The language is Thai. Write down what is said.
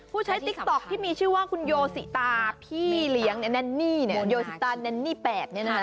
ผู้ใช้ติ๊กต๊อกที่มีชื่อว่าคุณโยสิตาพี่เลี้ยงแนนี่เนี่ยโยสิตาแนนี่แปด